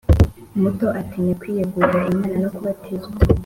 muto atinya kwiyegurira Imana no kubatizwa